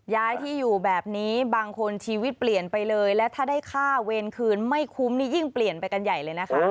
ย้ายที่อยู่แบบนี้บางคนชีวิตเปลี่ยนไปเลยและถ้าได้ค่าเวรคืนไม่คุ้มนี่ยิ่งเปลี่ยนไปกันใหญ่เลยนะคะ